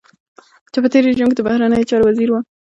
چې په تېر رژيم کې د بهرنيو چارو وزير و.